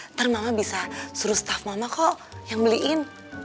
ntar mama bisa suruh staff mama kok yang beliin